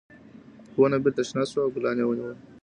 ونه بېرته شنه شوه او ګلان یې ونیول.